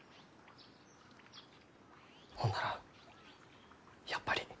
ほんならやっぱり。